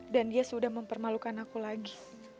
dan dia sudah mempermalukan aku lagi